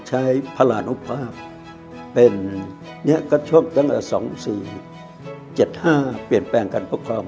ใช้พระราณภาพเป็นเนี่ยก็ช่วงตั้งแต่๒๔๗๕เปลี่ยนแปลงกันพกครอง